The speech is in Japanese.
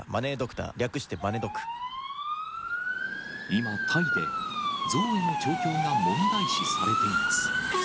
今、タイでゾウへの調教が問題視されています。